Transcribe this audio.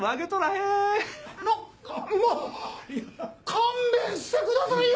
勘弁してくださいよ！